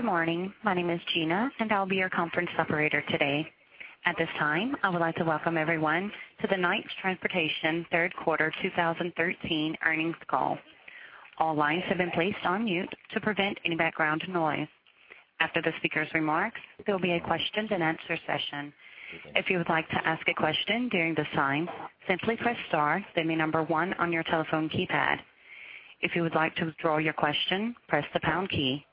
Good morning. My name is Gina, and I'll be your conference operator today. At this time, I would like to welcome everyone to the Knight Transportation third quarter 2013 earnings call. All lines have been placed on mute to prevent any background noise. After the speaker's remarks, there will be a question and answer session. If you would like to ask a question during this time, simply press star, then the number one on your telephone keypad. If you would like to withdraw your question, press the pound key.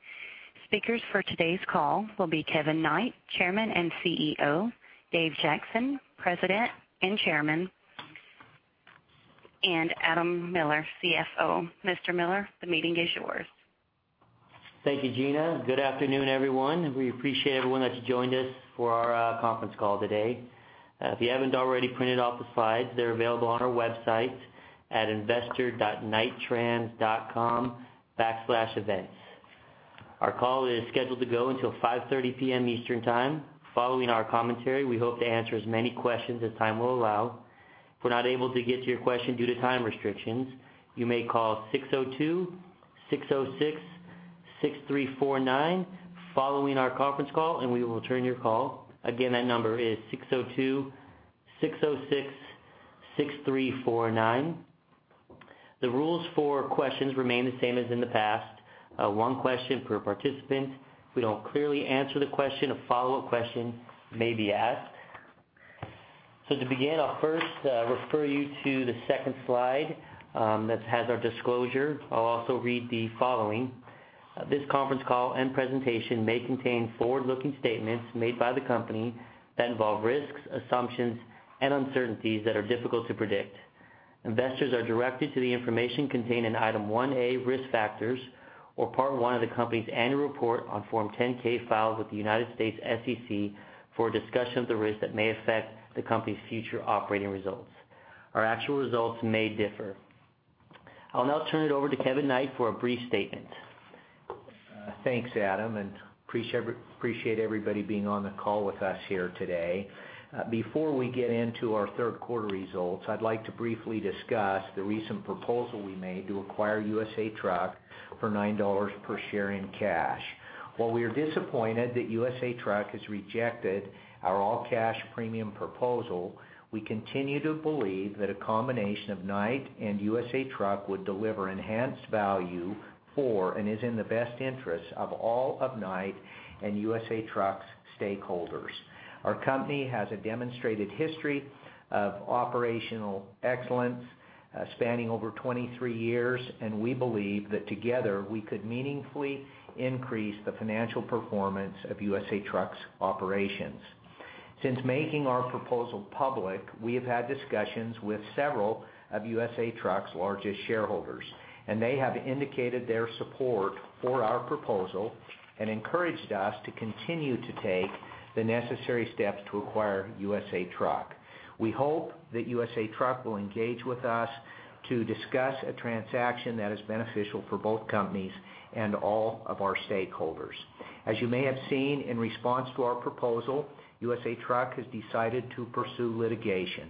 Speakers for today's call will be Kevin Knight, Chairman and CEO, Dave Jackson, President, and Adam Miller, CFO. Mr. Miller, the meeting is yours. Thank you, Gina. Good afternoon, everyone, and we appreciate everyone that's joined us for our conference call today. If you haven't already printed off the slides, they're available on our website at investor.knighttrans.com/events. Our call is scheduled to go until 5:30 P.M. Eastern Time. Following our commentary, we hope to answer as many questions as time will allow. If we're not able to get to your question due to time restrictions, you may call 602-606-6349 following our conference call, and we will return your call. Again, that number is 602-606-6349. The rules for questions remain the same as in the past. One question per participant. If we don't clearly answer the question, a follow-up question may be asked. To begin, I'll first refer you to the second slide that has our disclosure. I'll also read the following. This conference call and presentation may contain forward-looking statements made by the company that involve risks, assumptions, and uncertainties that are difficult to predict. Investors are directed to the information contained in Item 1A, Risk Factors, or Part I of the company's Annual Report on Form 10-K, filed with the United States SEC for a discussion of the risks that may affect the company's future operating results. Our actual results may differ. I'll now turn it over to Kevin Knight for a brief statement. Thanks, Adam, and appreciate, appreciate everybody being on the call with us here today. Before we get into our third quarter results, I'd like to briefly discuss the recent proposal we made to acquire USA Truck for $9 per share in cash. While we are disappointed that USA Truck has rejected our all-cash premium proposal, we continue to believe that a combination of Knight and USA Truck would deliver enhanced value for, and is in the best interest of all of Knight and USA Truck's stakeholders. Our company has a demonstrated history of operational excellence, spanning over 23 years, and we believe that together, we could meaningfully increase the financial performance of USA Truck's operations. Since making our proposal public, we have had discussions with several of USA Truck's largest shareholders, and they have indicated their support for our proposal and encouraged us to continue to take the necessary steps to acquire USA Truck. We hope that USA Truck will engage with us to discuss a transaction that is beneficial for both companies and all of our stakeholders. As you may have seen, in response to our proposal, USA Truck has decided to pursue litigation.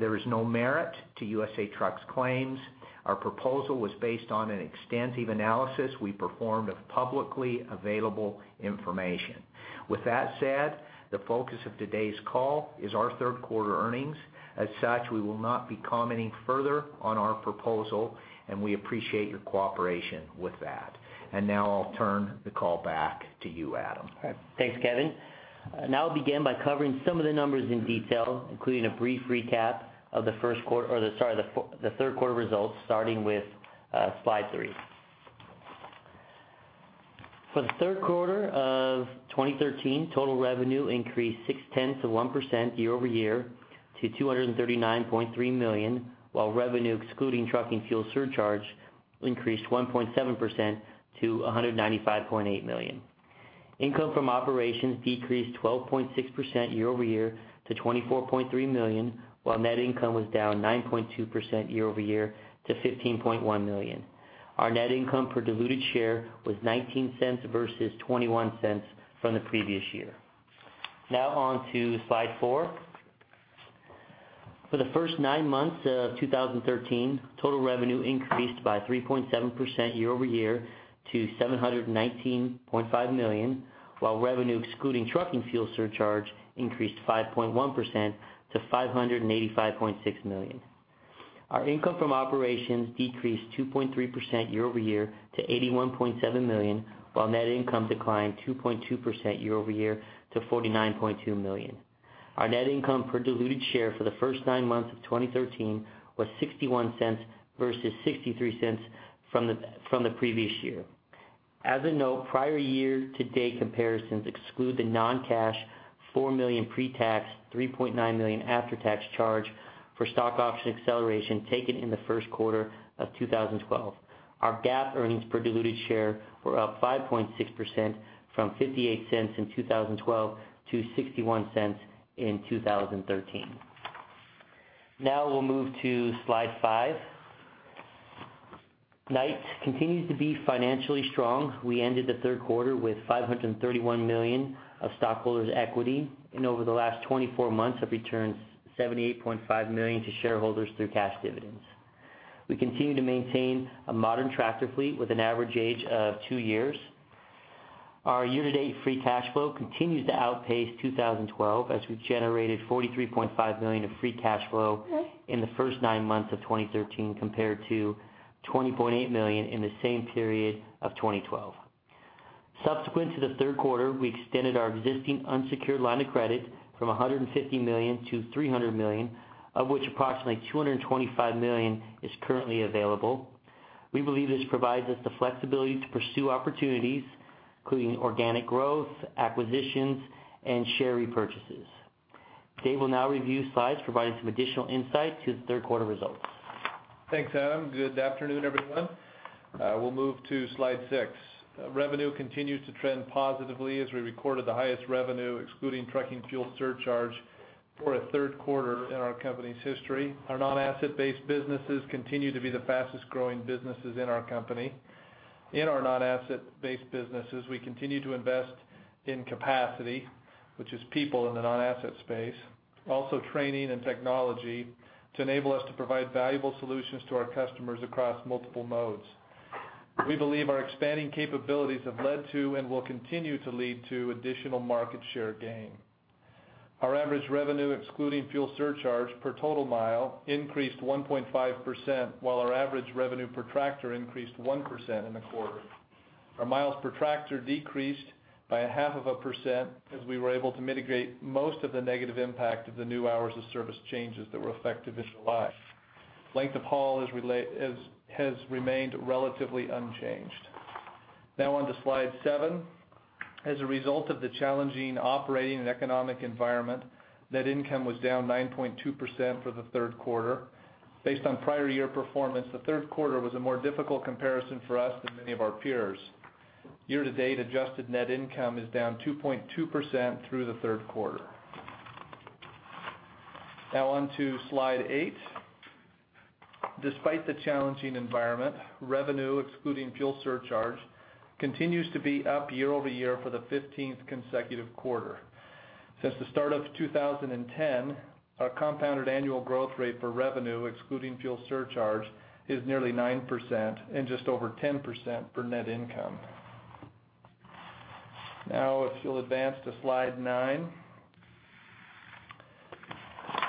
There is no merit to USA Truck's claims. Our proposal was based on an extensive analysis we performed of publicly available information. With that said, the focus of today's call is our third quarter earnings. As such, we will not be commenting further on our proposal, and we appreciate your cooperation with that. Now I'll turn the call back to you, Adam. All right. Thanks, Kevin. Now we'll begin by covering some of the numbers in detail, including a brief recap of the first quarter... or the, sorry, the third quarter results, starting with slide three. For the third quarter of 2013, total revenue increased 0.6% year-over-year to $239.3 million, while revenue, excluding trucking fuel surcharge, increased 1.7% to $195.8 million. Income from operations decreased 12.6% year-over-year to $24.3 million, while net income was down 9.2% year-over-year to $15.1 million. Our net income per diluted share was $0.19 versus $0.21 from the previous year. Now on to slide four. For the first nine months of 2013, total revenue increased by 3.7% year-over-year to $719.5 million, while revenue, excluding trucking fuel surcharge, increased 5.1% to $585.6 million. Our income from operations decreased 2.3% year-over-year to $81.7 million, while net income declined 2.2% year-over-year to $49.2 million. Our net income per diluted share for the first nine months of 2013 was $0.61 versus $0.63 from the previous year. As a note, prior year-to-date comparisons exclude the non-cash $4 million pre-tax, $3.9 million after-tax charge for stock option acceleration taken in the first quarter of 2012. Our GAAP earnings per diluted share were up 5.6% from $0.58 in 2012 to $0.61 in 2013. Now we'll move to slide five. Knight continues to be financially strong. We ended the third quarter with $531 million of stockholders' equity, and over the last 24 months, have returned $78.5 million to shareholders through cash dividends.... We continue to maintain a modern tractor fleet with an average age of two years. Our year-to-date free cash flow continues to outpace 2012, as we've generated $43.5 million of free cash flow in the first nine months of 2013, compared to $20.8 million in the same period of 2012. Subsequent to the third quarter, we extended our existing unsecured line of credit from $150 million to $300 million, of which approximately $225 million is currently available. We believe this provides us the flexibility to pursue opportunities, including organic growth, acquisitions, and share repurchases. Dave will now review slides providing some additional insight to the third quarter results. Thanks, Adam. Good afternoon, everyone. We'll move to slide six. Revenue continues to trend positively as we recorded the highest revenue, excluding trucking fuel surcharge, for a third quarter in our company's history. Our non-asset-based businesses continue to be the fastest-growing businesses in our company. In our non-asset-based businesses, we continue to invest in capacity, which is people in the non-asset space, also training and technology, to enable us to provide valuable solutions to our customers across multiple modes. We believe our expanding capabilities have led to and will continue to lead to additional market share gain. Our average revenue, excluding fuel surcharge, per total mile increased 1.5%, while our average revenue per tractor increased 1% in the quarter. Our miles per tractor decreased by 0.5%, as we were able to mitigate most of the negative impact of the new Hours of Service changes that were effective in July. Length of haul is, has remained relatively unchanged. Now on to slide seven. As a result of the challenging operating and economic environment, net income was down 9.2% for the third quarter. Based on prior year performance, the third quarter was a more difficult comparison for us than many of our peers. Year-to-date, adjusted net income is down 2.2% through the third quarter. Now on to slide eight. Despite the challenging environment, revenue, excluding fuel surcharge, continues to be up year-over-year for the 15th consecutive quarter. Since the start of 2010, our compounded annual growth rate for revenue, excluding fuel surcharge, is nearly 9% and just over 10% for net income. Now, if you'll advance to slide nine.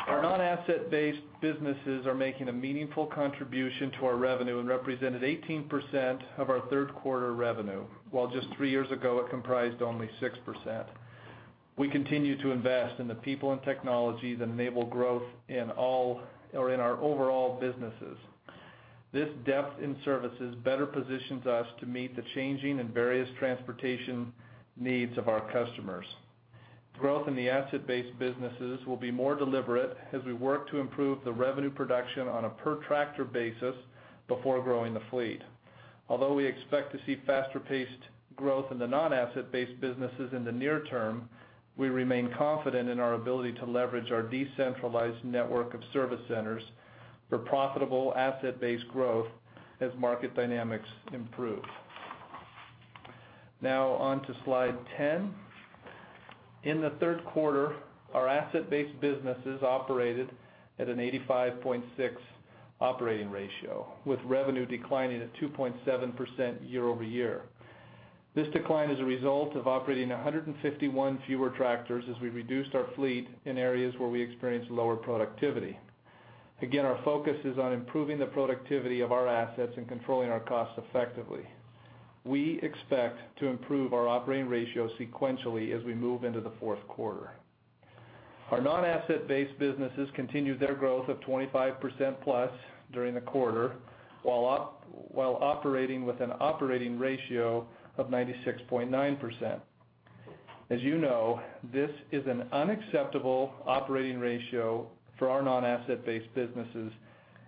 Our non-asset-based businesses are making a meaningful contribution to our revenue and represented 18% of our third quarter revenue, while just three years ago, it comprised only 6%. We continue to invest in the people and technology that enable growth in all or in our overall businesses. This depth in services better positions us to meet the changing and various transportation needs of our customers. Growth in the asset-based businesses will be more deliberate as we work to improve the revenue production on a per tractor basis before growing the fleet. Although we expect to see faster-paced growth in the non-asset-based businesses in the near term, we remain confident in our ability to leverage our decentralized network of service centers for profitable asset-based growth as market dynamics improve. Now on to slide 10. In the third quarter, our asset-based businesses operated at an 85.6 operating ratio, with revenue declining at 2.7% year-over-year. This decline is a result of operating 151 fewer tractors as we reduced our fleet in areas where we experienced lower productivity. Again, our focus is on improving the productivity of our assets and controlling our costs effectively. We expect to improve our operating ratio sequentially as we move into the fourth quarter. Our non-asset-based businesses continued their growth of 25%+ during the quarter, while operating with an operating ratio of 96.9%. As you know, this is an unacceptable operating ratio for our non-asset-based businesses,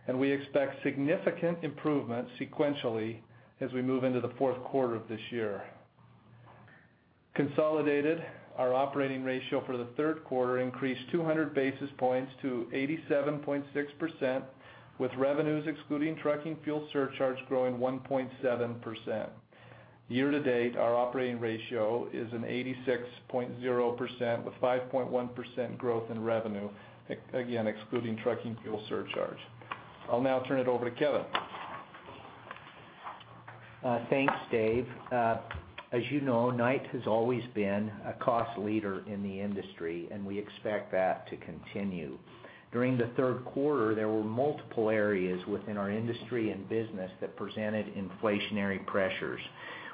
and we expect significant improvement sequentially as we move into the fourth quarter of this year. Consolidated, our operating ratio for the third quarter increased 200 basis points to 87.6%, with revenues excluding trucking fuel surcharge growing 1.7%. Year to date, our operating ratio is an 86.0%, with 5.1% growth in revenue, again, excluding trucking fuel surcharge. I'll now turn it over to Kevin. Thanks, Dave. As you know, Knight has always been a cost leader in the industry, and we expect that to continue. During the third quarter, there were multiple areas within our industry and business that presented inflationary pressures.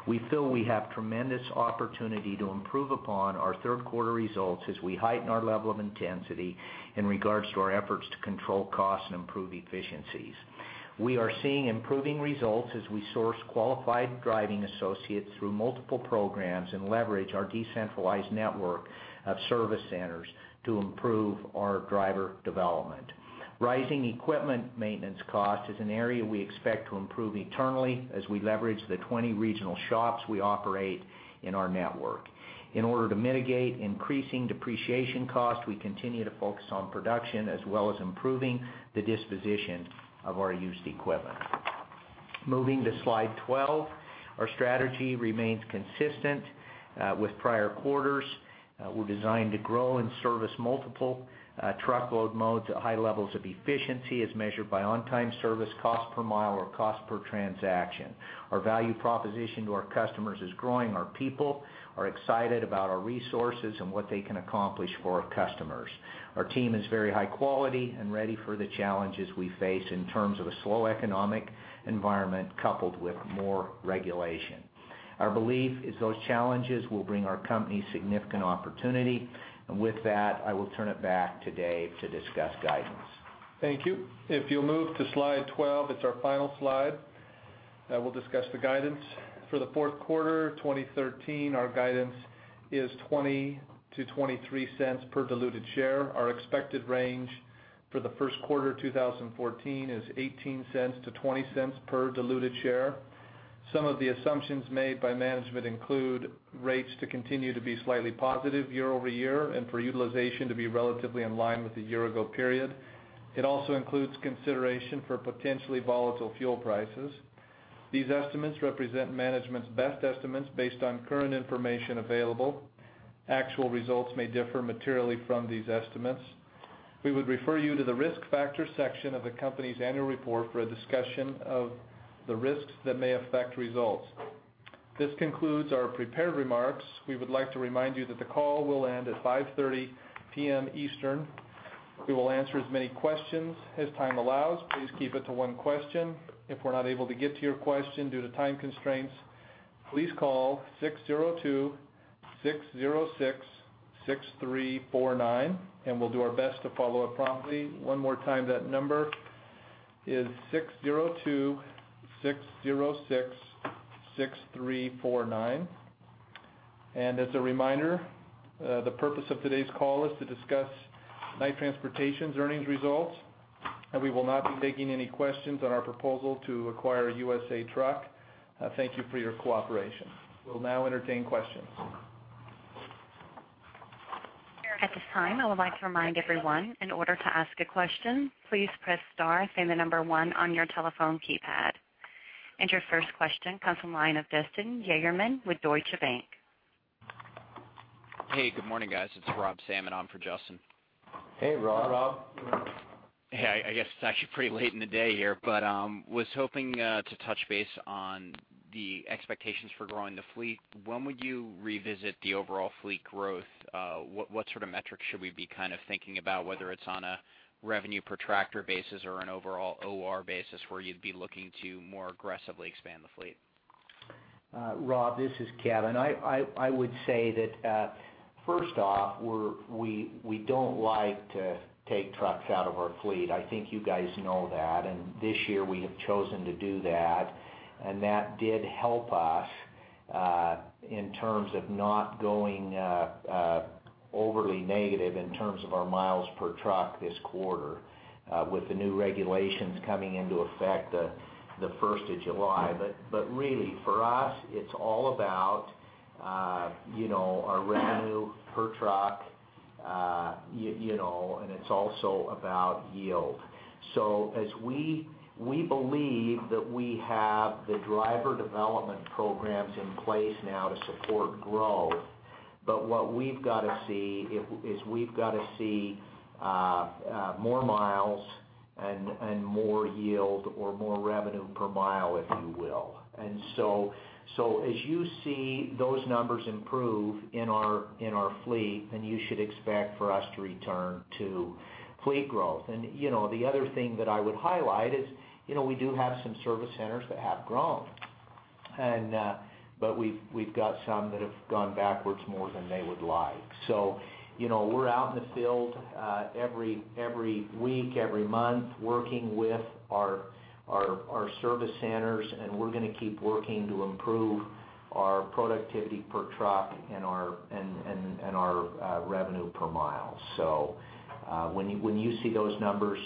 We feel we have tremendous opportunity to improve upon our third quarter results as we heighten our level of intensity in regards to our efforts to control costs and improve efficiencies. We are seeing improving results as we source qualified driving associates through multiple programs and leverage our decentralized network of service centers to improve our driver development. Rising equipment maintenance cost is an area we expect to improve eventually as we leverage the 20 regional shops we operate in our network. In order to mitigate increasing depreciation costs, we continue to focus on production, as well as improving the disposition of our used equipment. Moving to Slide 12, our strategy remains consistent with prior quarters. We're designed to grow and service multiple truckload modes at high levels of efficiency, as measured by on-time service, cost per mile, or cost per transaction. Our value proposition to our customers is growing. Our people are excited about our resources and what they can accomplish for our customers. Our team is very high quality and ready for the challenges we face in terms of a slow economic environment, coupled with more regulation. Our belief is those challenges will bring our company significant opportunity. With that, I will turn it back to Dave to discuss guidance. Thank you. If you'll move to Slide 12, it's our final slide, I will discuss the guidance. For the fourth quarter 2013, our guidance is $0.20-$0.23 per diluted share. Our expected range for the first quarter 2014 is $0.18-$0.20 per diluted share. Some of the assumptions made by management include rates to continue to be slightly positive year-over-year and for utilization to be relatively in line with the year-ago period. It also includes consideration for potentially volatile fuel prices. These estimates represent management's best estimates based on current information available. Actual results may differ materially from these estimates. We would refer you to the Risk Factors section of the company's annual report for a discussion of the risks that may affect results. This concludes our prepared remarks. We would like to remind you that the call will end at 5:30 P.M. Eastern. We will answer as many questions as time allows. Please keep it to one question. If we're not able to get to your question due to time constraints, please call 602-606-6349, and we'll do our best to follow up promptly. One more time, that number is 602-606-6349. As a reminder, the purpose of today's call is to discuss Knight Transportation's earnings results, and we will not be taking any questions on our proposal to acquire USA Truck. Thank you for your cooperation. We'll now entertain questions. At this time, I would like to remind everyone, in order to ask a question, please press star, then the number one on your telephone keypad. Your first question comes from the line of Justin Yagerman with Deutsche Bank. Hey, good morning, guys. It's Rob Salmon on for Justin. Hey, Rob. Hey, Rob. Hey, I guess it's actually pretty late in the day here, but was hoping to touch base on the expectations for growing the fleet. When would you revisit the overall fleet growth? What sort of metrics should we be kind of thinking about, whether it's on a revenue per tractor basis or an overall OR basis, where you'd be looking to more aggressively expand the fleet? Rob, this is Kevin. I would say that, first off, we don't like to take trucks out of our fleet. I think you guys know that, and this year, we have chosen to do that. And that did help us in terms of not going overly negative in terms of our miles per truck this quarter, with the new regulations coming into effect the first of July. But really, for us, it's all about, you know, our revenue per truck, you know, and it's also about yield. So as we believe that we have the driver development programs in place now to support growth. But what we've got to see is we've got to see more miles and more yield or more revenue per mile, if you will. As you see those numbers improve in our fleet, then you should expect for us to return to fleet growth. You know, the other thing that I would highlight is, you know, we do have some service centers that have grown. But we've got some that have gone backwards more than they would like. So, you know, we're out in the field every week, every month, working with our service centers, and we're going to keep working to improve our productivity per truck and our revenue per mile. So, when you see those numbers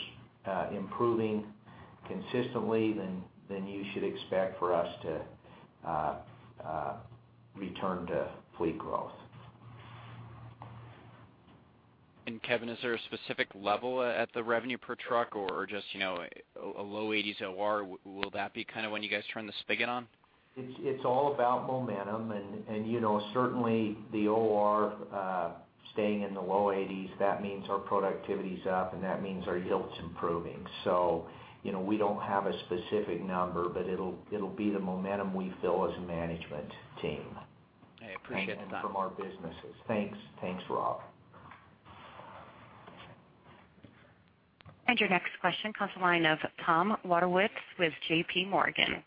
improving consistently, then you should expect for us to return to fleet growth. Kevin, is there a specific level at the revenue per truck or, or just, you know, a low 80s OR, will that be kind of when you guys turn the spigot on? It's all about momentum. And you know, certainly, the OR staying in the low 80s, that means our productivity is up, and that means our yield's improving. So, you know, we don't have a specific number, but it'll be the momentum we feel as a management team- I appreciate that. and from our businesses. Thanks. Thanks, Rob. Your next question comes from the line of Tom Wadewitz with JP Morgan.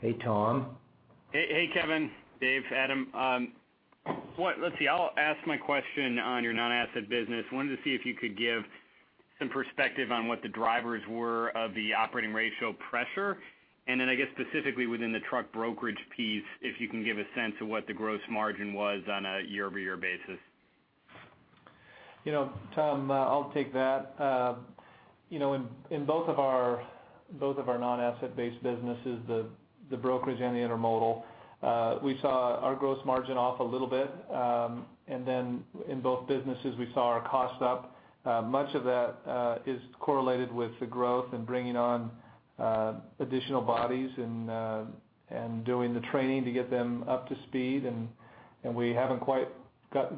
Hey, Tom. Hey, hey, Kevin, Dave, Adam. I'll ask my question on your non-asset-based business. Wanted to see if you could give some perspective on what the drivers of the operating ratio pressure were, and then, I guess, specifically within the truck brokerage piece, if you can give a sense of what the gross margin was on a year-over-year basis. You know, Tom, I'll take that. You know, in both of our non-asset-based businesses, the brokerage and the intermodal, we saw our gross margin off a little bit. And then in both businesses, we saw our costs up. Much of that is correlated with the growth and bringing on additional bodies and doing the training to get them up to speed and we haven't quite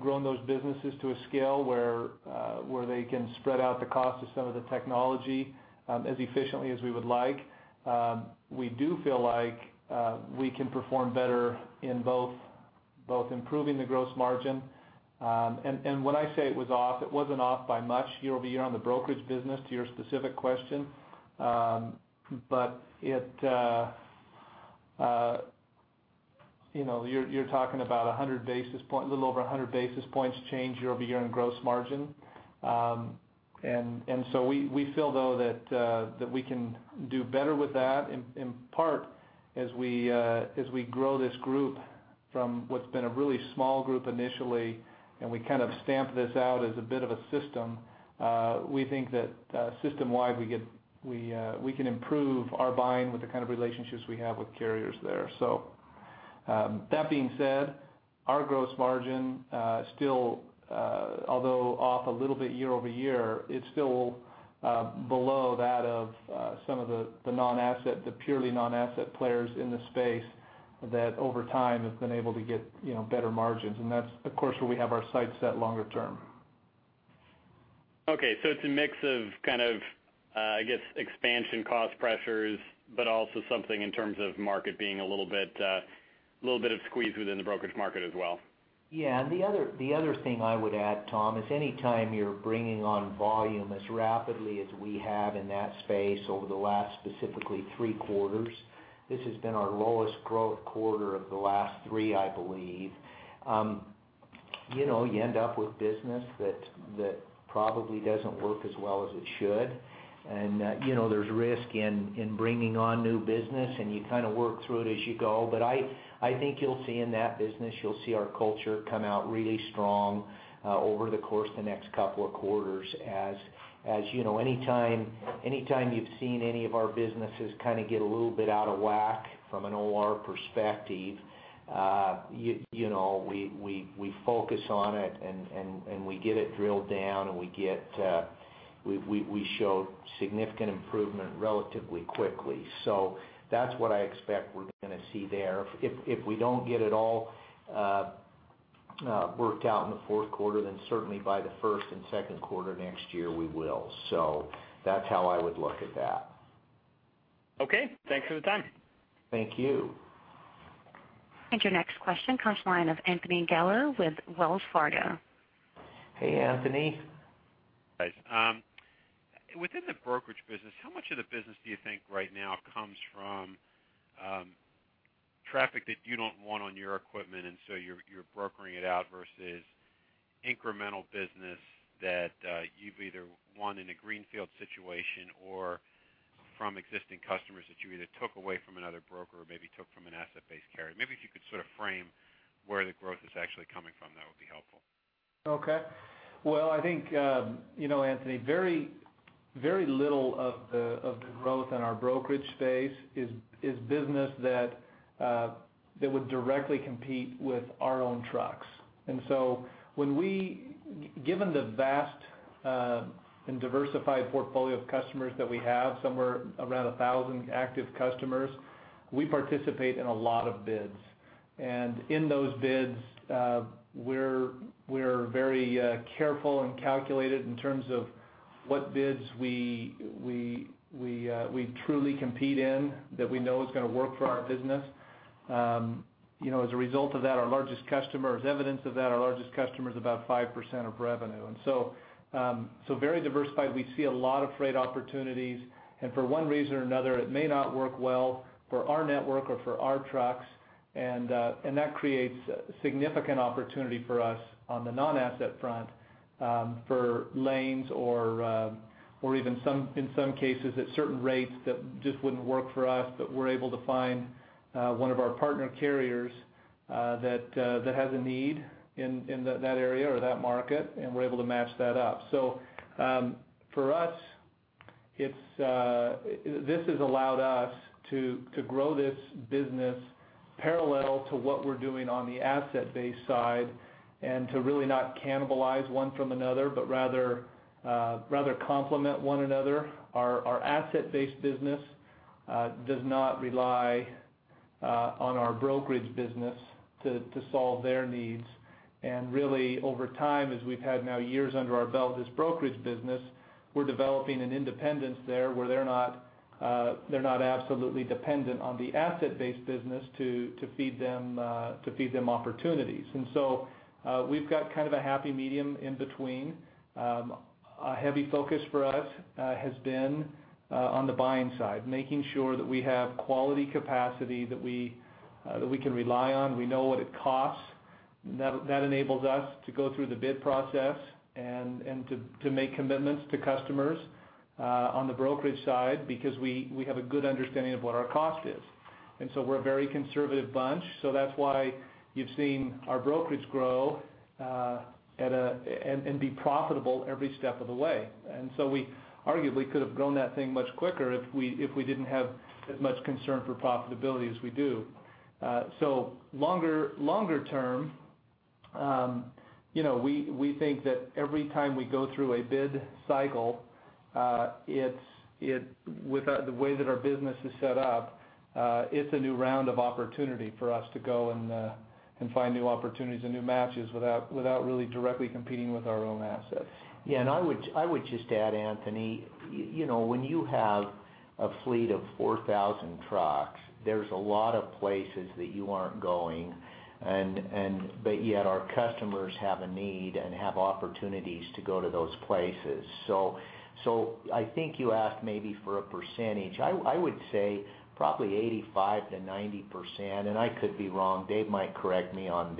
grown those businesses to a scale where they can spread out the cost of some of the technology as efficiently as we would like. We do feel like we can perform better in both improving the gross margin. And when I say it was off, it wasn't off by much year-over-year on the brokerage business, to your specific question. But it, you know, you're talking about 100 basis point, a little over 100 basis points change year-over-year in gross margin. And so we feel though that we can do better with that, in part, as we grow this group from what's been a really small group initially, and we kind of stamp this out as a bit of a system. We think that system-wide, we can improve our buying with the kind of relationships we have with carriers there. So, that being said, our gross margin still, although off a little bit year-over-year, it's still below that of some of the purely non-asset players in the space, that over time have been able to get, you know, better margins. That's, of course, where we have our sights set longer term. Okay. So it's a mix of kind of, I guess, expansion cost pressures, but also something in terms of market being a little bit, little bit of squeeze within the brokerage market as well. Yeah, and the other thing I would add, Tom, is anytime you're bringing on volume as rapidly as we have in that space over the last, specifically three quarters, this has been our lowest growth quarter of the last three, I believe. You know, you end up with business that probably doesn't work as well as it should. And, you know, there's risk in bringing on new business, and you kind of work through it as you go. But I think you'll see in that business, you'll see our culture come out really strong over the course of the next couple of quarters. As you know, any time you've seen any of our businesses kind of get a little bit out of whack from an OR perspective, you know, we focus on it, and we get it drilled down, and we show significant improvement relatively quickly. So that's what I expect we're gonna see there. If we don't get it all worked out in the fourth quarter, then certainly by the first and second quarter next year, we will. So that's how I would look at that. Okay. Thanks for the time. Thank you. next question comes from the line of Anthony Gallo with Wells Fargo. Hey, Anthony. Guys, within the brokerage business, how much of the business do you think right now comes from traffic that you don't want on your equipment, and so you're brokering it out versus incremental business that you've either won in a greenfield situation, or from existing customers that you either took away from another broker or maybe took from an asset-based carrier? Maybe if you could sort of frame where the growth is actually coming from, that would be helpful. Okay. Well, I think, you know, Anthony, very, very little of the, of the growth in our brokerage space is, is business that, that would directly compete with our own trucks. And so when we-- Given the vast, and diversified portfolio of customers that we have, somewhere around 1,000 active customers, we participate in a lot of bids. And in those bids, we're, we're very, careful and calculated in terms of what bids we, we, we, we truly compete in, that we know is gonna work for our business. You know, as a result of that, our largest customer, as evidence of that, our largest customer is about 5% of revenue. And so, so very diversified. We see a lot of freight opportunities, and for one reason or another, it may not work well for our network or for our trucks, and that creates significant opportunity for us on the non-asset front, for lanes or, or even some, in some cases, at certain rates, that just wouldn't work for us. But we're able to find one of our partner carriers that has a need in that area or that market, and we're able to match that up. So, for us, it's this has allowed us to grow this business parallel to what we're doing on the asset-based side and to really not cannibalize one from another, but rather, rather complement one another. Our asset-based business does not rely on our brokerage business to solve their needs. Really, over time, as we've had now years under our belt, this brokerage business, we're developing an independence there, where they're not absolutely dependent on the asset-based business to feed them opportunities. And so, we've got kind of a happy medium in between. A heavy focus for us has been on the buying side, making sure that we have quality capacity that we can rely on. We know what it costs. That enables us to go through the bid process and to make commitments to customers on the brokerage side, because we have a good understanding of what our cost is. And so we're a very conservative bunch, so that's why you've seen our brokerage grow at a... and be profitable every step of the way. And so we arguably could have grown that thing much quicker if we, if we didn't have as much concern for profitability as we do. So longer, longer term, you know, we, we think that every time we go through a bid cycle,... it's with the way that our business is set up. It's a new round of opportunity for us to go and find new opportunities and new matches without really directly competing with our own assets. Yeah, and I would just add, Anthony, you know, when you have a fleet of 4,000 trucks, there's a lot of places that you aren't going, and but yet our customers have a need and have opportunities to go to those places. So I think you asked maybe for a percentage. I would say probably 85%-90%, and I could be wrong, Dave might correct me on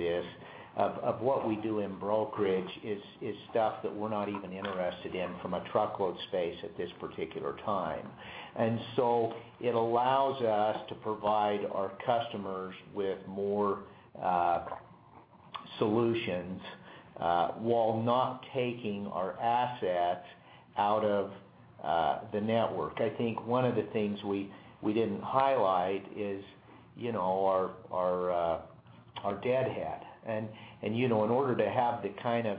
this, of what we do in brokerage is stuff that we're not even interested in from a truckload space at this particular time. And so it allows us to provide our customers with more solutions while not taking our assets out of the network. I think one of the things we didn't highlight is, you know, our deadhead. You know, in order to have the kind of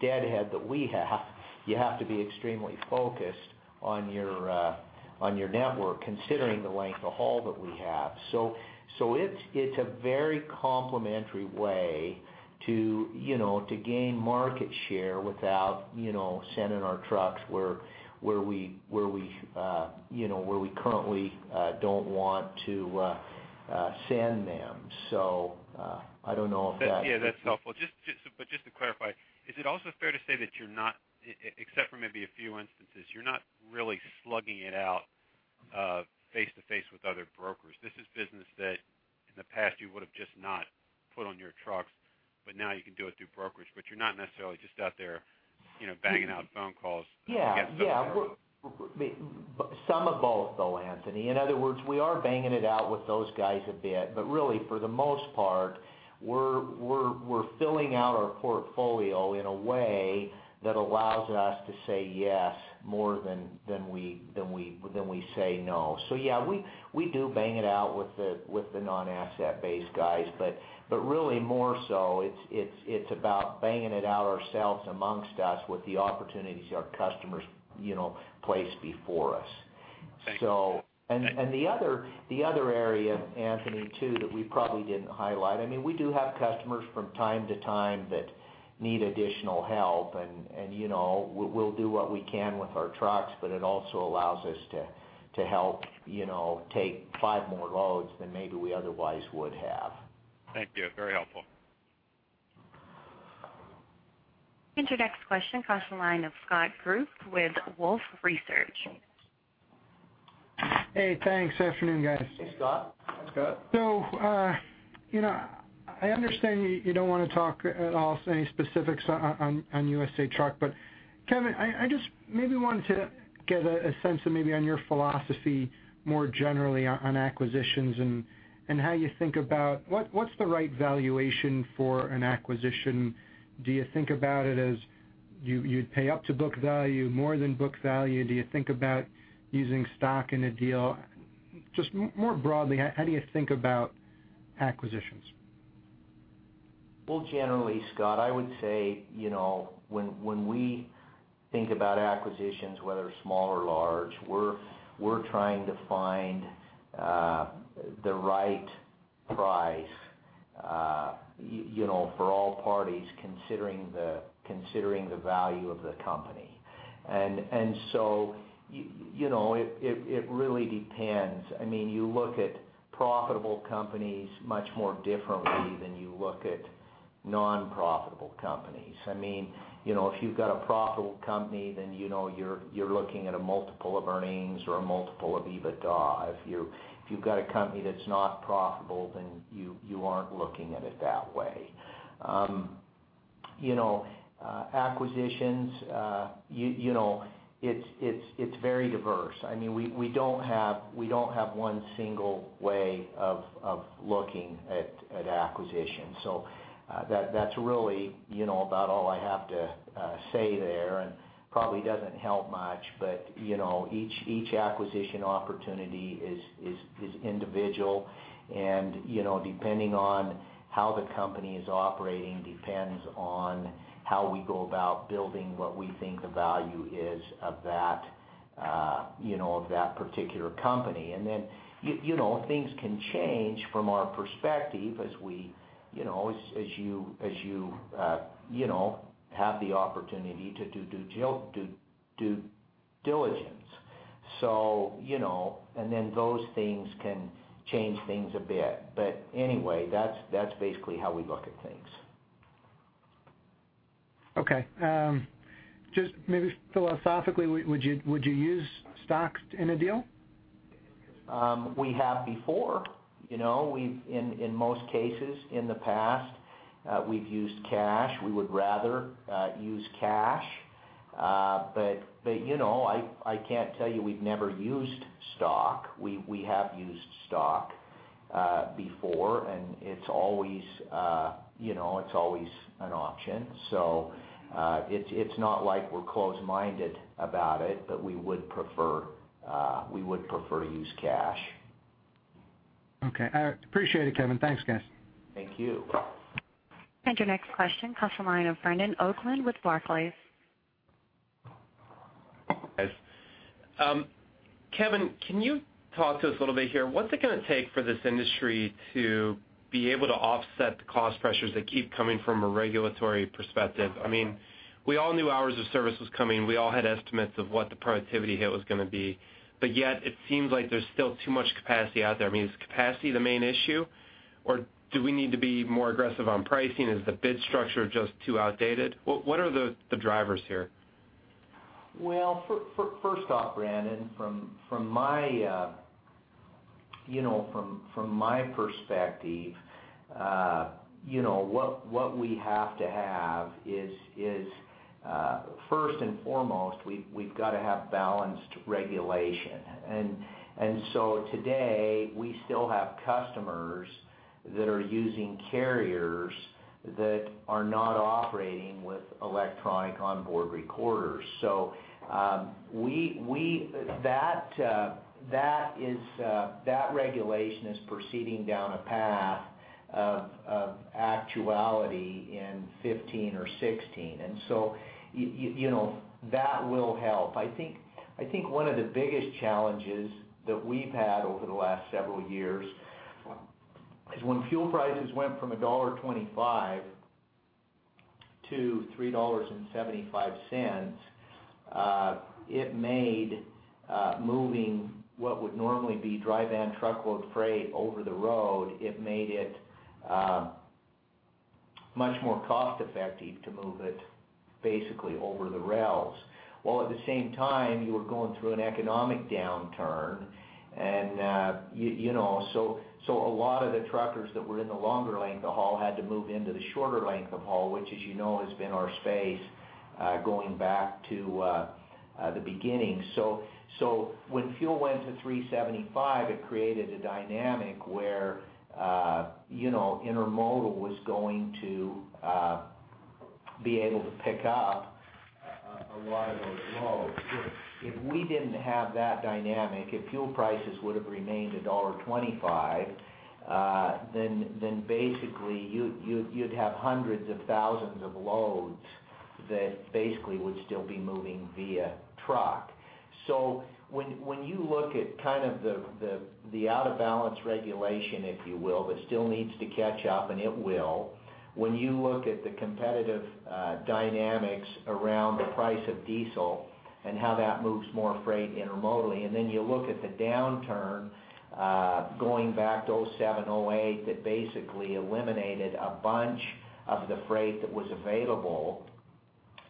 deadhead that we have, you have to be extremely focused on your network, considering the length of haul that we have. So, it's a very complementary way to, you know, to gain market share without, you know, sending our trucks where we currently don't want to send them. So, I don't know if that- Yeah, that's helpful. Just, but just to clarify, is it also fair to say that you're not, except for maybe a few instances, really slugging it out face-to-face with other brokers? This is business that, in the past, you would have just not put on your trucks, but now you can do it through brokerage. But you're not necessarily just out there, you know, banging out phone calls against them? Yeah, yeah. Some of both, though, Anthony. In other words, we are banging it out with those guys a bit, but really, for the most part, we're filling out our portfolio in a way that allows us to say yes more than we say no. So yeah, we do bang it out with the non-asset-based guys, but really more so, it's about banging it out ourselves amongst us with the opportunities our customers, you know, place before us. Thank you. And the other area, Anthony, too, that we probably didn't highlight, I mean, we do have customers from time to time that need additional help, and you know, we'll do what we can with our trucks, but it also allows us to help, you know, take five more loads than maybe we otherwise would have. Thank you. Very helpful. Your next question comes from the line of Scott Group with Wolfe Research. Hey, thanks. Afternoon, guys. Hey, Scott. Hi, Scott. So, you know, I understand you don't want to talk at all any specifics on USA Truck. But Kevin, I just maybe wanted to get a sense of maybe on your philosophy more generally on acquisitions and how you think about... What's the right valuation for an acquisition? Do you think about it as you'd pay up to book value, more than book value? Do you think about using stock in a deal? Just more broadly, how do you think about acquisitions? Well, generally, Scott, I would say, you know, when we think about acquisitions, whether small or large, we're trying to find the right price, you know, for all parties, considering the value of the company. And so, you know, it really depends. I mean, you look at profitable companies much more differently than you look at non-profitable companies. I mean, you know, if you've got a profitable company, then you know you're looking at a multiple of earnings or a multiple of EBITDA. If you've got a company that's not profitable, then you aren't looking at it that way. You know, acquisitions, you know, it's very diverse. I mean, we don't have one single way of looking at acquisitions. So, that's really, you know, about all I have to say there, and probably doesn't help much. But, you know, each acquisition opportunity is individual. And, you know, depending on how the company is operating, depends on how we go about building what we think the value is of that, you know, of that particular company. And then, you know, things can change from our perspective as we, you know, as you, you know, have the opportunity to do due diligence. So, you know, and then those things can change things a bit. But anyway, that's basically how we look at things. Okay, just maybe philosophically, would you use stocks in a deal? We have before, you know. We've, in most cases in the past, used cash. We would rather use cash, but you know, I can't tell you we've never used stock. We have used stock before, and it's always, you know, it's always an option. So, it's not like we're closed-minded about it, but we would prefer to use cash.... Okay, I appreciate it, Kevin. Thanks, guys. Thank you. Your next question comes from the line of Brandon Oglenski with Barclays. Guys, Kevin, can you talk to us a little bit here? What's it gonna take for this industry to be able to offset the cost pressures that keep coming from a regulatory perspective? I mean, we all knew Hours of Service was coming. We all had estimates of what the productivity hit was gonna be, but yet it seems like there's still too much capacity out there. I mean, is capacity the main issue, or do we need to be more aggressive on pricing? Is the bid structure just too outdated? What are the drivers here? Well, first off, Brandon, from my perspective, you know, what we have to have is first and foremost, we've got to have balanced regulation. And so today, we still have customers that are using carriers that are not operating with electronic onboard recorders. So, that regulation is proceeding down a path of actuality in 2015 or 2016, and so, you know, that will help. I think one of the biggest challenges that we've had over the last several years is when fuel prices went from $1.25-$3.75, it made moving what would normally be dry van truckload freight over the road, it made it much more cost effective to move it basically over the rails. While at the same time, you were going through an economic downturn, and you know, so a lot of the truckers that were in the longer length of haul had to move into the shorter length of haul, which, as you know, has been our space, going back to the beginning. So when fuel went to $3.75, it created a dynamic where you know, intermodal was going to be able to pick up a lot of those loads. If we didn't have that dynamic, if fuel prices would have remained $1.25, then basically, you'd have hundreds of thousands of loads that basically would still be moving via truck. So when you look at kind of the out-of-balance regulation, if you will, that still needs to catch up, and it will, when you look at the competitive dynamics around the price of diesel and how that moves more freight intermodally, and then you look at the downturn going back to 2007, 2008, that basically eliminated a bunch of the freight that was available,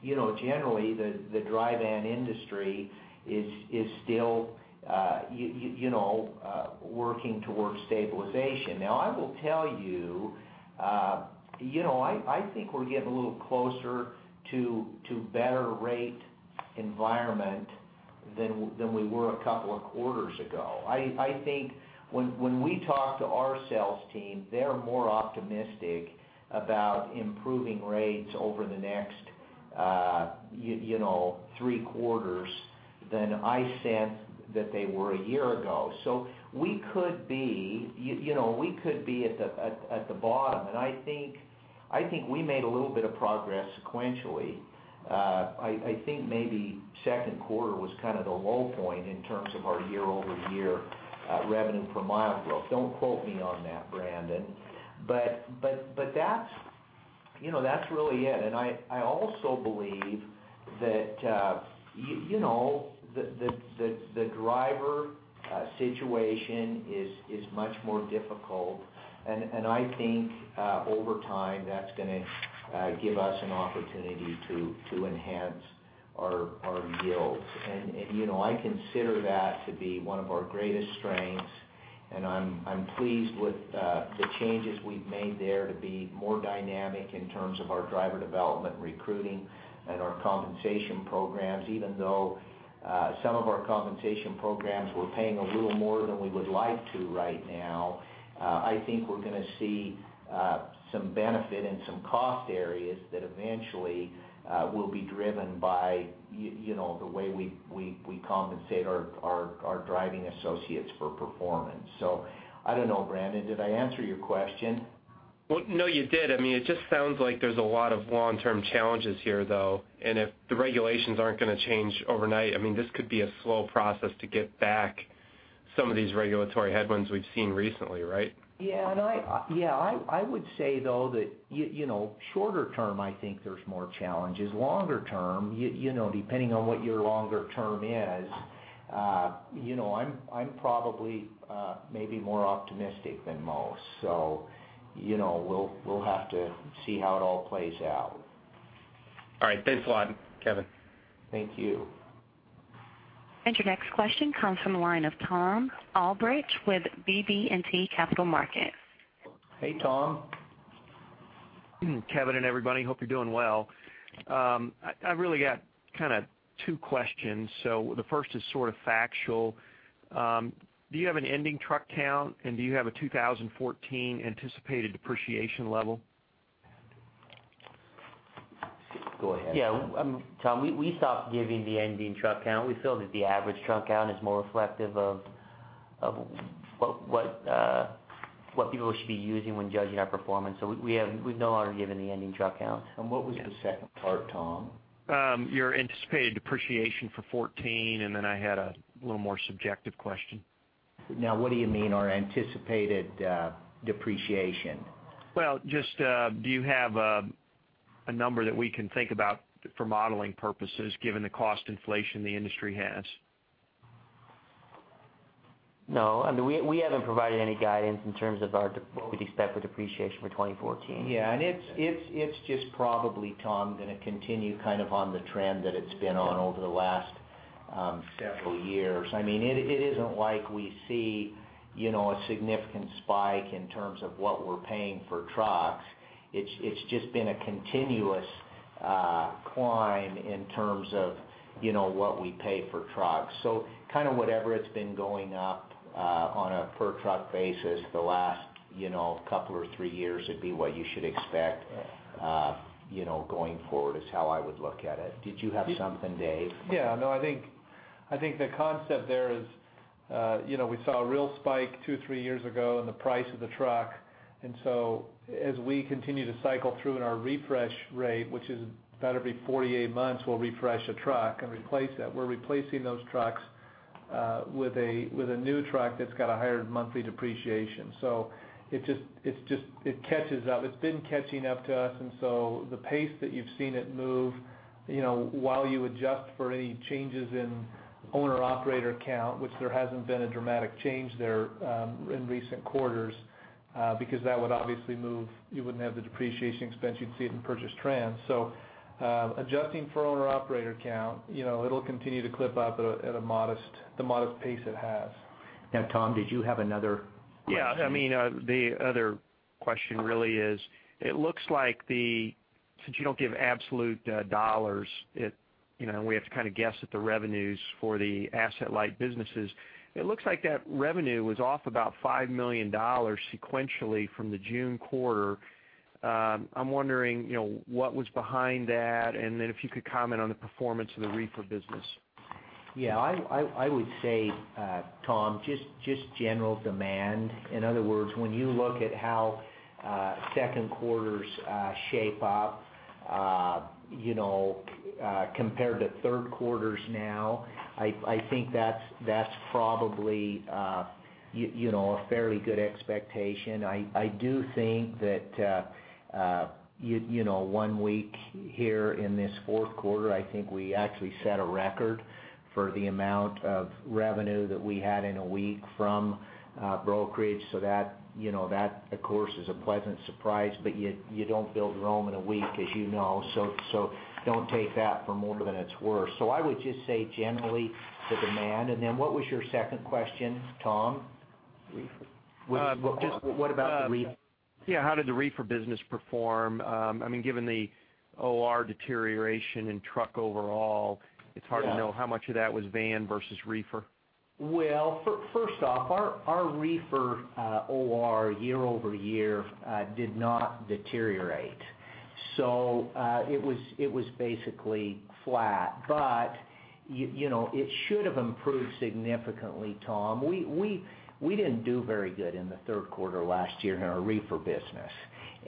you know, generally, the dry van industry is still working towards stabilization. Now, I will tell you, you know, I think we're getting a little closer to better rate environment than we were a couple of quarters ago. I think when we talk to our sales team, they're more optimistic about improving rates over the next, you know, three quarters than I sense that they were a year ago. So we could be, you know, we could be at the bottom, and I think we made a little bit of progress sequentially. I think maybe second quarter was kind of the low point in terms of our year-over-year revenue per mile growth. Don't quote me on that, Brandon. But that's, you know, that's really it. And I also believe that, you know, the driver situation is much more difficult. And I think over time, that's gonna give us an opportunity to enhance our yields. You know, I consider that to be one of our greatest strengths, and I'm pleased with the changes we've made there to be more dynamic in terms of our driver development, recruiting, and our compensation programs. Even though some of our compensation programs, we're paying a little more than we would like to right now, I think we're gonna see some benefit in some cost areas that eventually will be driven by you know, the way we compensate our driving associates for performance. So I don't know, Brandon, did I answer your question? Well, no, you did. I mean, it just sounds like there's a lot of long-term challenges here, though. And if the regulations aren't gonna change overnight, I mean, this could be a slow process to get back some of these regulatory headwinds we've seen recently, right? Yeah, and I, yeah, I would say, though, that you know, shorter term, I think there's more challenges. Longer term, you know, depending on what your longer term is, you know, I'm probably, maybe more optimistic than most. So, you know, we'll have to see how it all plays out. All right. Thanks a lot, Kevin. Thank you. Your next question comes from the line of Thom Albrecht with BB&T Capital Markets. Hey, Thom. Mm-hmm, Kevin and everybody, hope you're doing well. I've really got kind of two questions. The first is sort of factual. Do you have an ending truck count, and do you have a 2014 anticipated depreciation level? Go ahead. Yeah, Thom, we stopped giving the ending truck count. We feel that the average truck count is more reflective of what people should be using when judging our performance. So we have—we've no longer given the ending truck count. What was the second part, Thom? Your anticipated depreciation for 2014, and then I had a little more subjective question. Now, what do you mean our anticipated depreciation? Well, just, do you have a number that we can think about for modeling purposes, given the cost inflation the industry has? No. I mean, we haven't provided any guidance in terms of what we expect for depreciation for 2014. Yeah, and it's just probably, Thom, gonna continue kind of on the trend that it's been on- Yeah Over the last several years. I mean, it, it isn't like we see, you know, a significant spike in terms of what we're paying for trucks. It's, it's just been a continuous climb in terms of, you know, what we pay for trucks. So kind of whatever it's been going up on a per truck basis the last, you know, couple or three years, would be what you should expect, you know, going forward, is how I would look at it. Did you have something, Dave? Yeah. No, I think, I think the concept there is, you know, we saw a real spike two, three years ago in the price of the truck. And so as we continue to cycle through in our refresh rate, which is about every 48 months, we'll refresh a truck and replace that, we're replacing those trucks with a new truck that's got a higher monthly depreciation. So it just, it's just it catches up. It's been catching up to us, and so the pace that you've seen it move, you know, while you adjust for any changes in owner-operator count, which there hasn't been a dramatic change there in recent quarters because that would obviously move. You wouldn't have the depreciation expense, you'd see it in purchase trends. So, adjusting for owner-operator count, you know, it'll continue to clip up at a modest pace it has. Now, Thom, did you have another question? Yeah. I mean, the other question really is, it looks like the, since you don't give absolute dollars, it, you know, we have to kind of guess at the revenues for the asset-light businesses. It looks like that revenue was off about $5 million sequentially from the June quarter. I'm wondering, you know, what was behind that, and then if you could comment on the performance of the reefer business. Yeah, I would say, Thom, just general demand. In other words, when you look at how second quarters shape up, you know, compared to third quarters now, I think that's probably, you know, a fairly good expectation. I do think that, you know, one week here in this fourth quarter, I think we actually set a record for the amount of revenue that we had in a week from brokerage. So that, you know, that, of course, is a pleasant surprise, but you don't build Rome in a week, as you know, so don't take that for more than it's worth. So I would just say, generally, the demand. And then what was your second question, Thom? Reefer. Just what about the reefer? Yeah, how did the reefer business perform? I mean, given the OR deterioration in truck overall- Yeah It's hard to know how much of that was van versus reefer. Well, first off, our reefer OR year-over-year did not deteriorate. So, it was basically flat. But you know, it should have improved significantly, Thom. We didn't do very good in the third quarter last year in our reefer business.